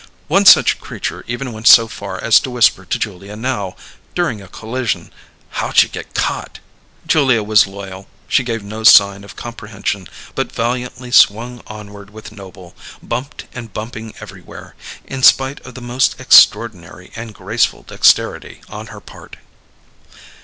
One such creature even went so far as to whisper to Julia now, during a collision: "How'd you get caught?" Julia was loyal; she gave no sign of comprehension, but valiantly swung onward with Noble, bumped and bumping everywhere, in spite of the most extraordinary and graceful dexterity on her part.